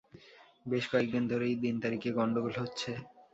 বেশ কয়েক দিন ধরেই দিন-তারিখে গণ্ডগোল হচ্ছে।